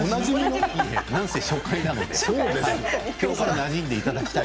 なんせ初回なのできょうからなじんでいただきたい。